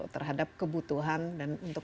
terhadap kebutuhan dan untuk